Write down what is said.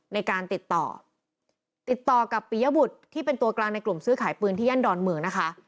ในการติดต่อติดต่อกับปียบุตรที่เป็นตัวกลางในกลุ่มซื้อขายปืนที่ย่านดอนเมืองนะคะ